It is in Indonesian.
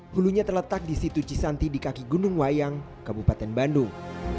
hulunya terletak di situ cisanti di kaki gunung wayang kabupaten bandung